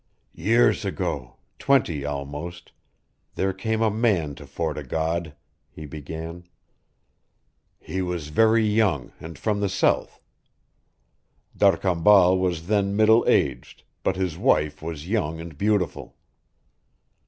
"Years ago twenty, almost there came a man to Fort o' God," he began. "He was very young, and from the south. D'Arcambal was then middle aged, but his wife was young and beautiful.